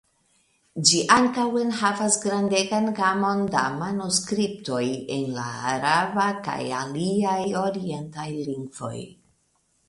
Ĝi ankaŭ enhavas grandegan gamon da manuskriptoj en la araba kaj aliaj orientaj lingvoj.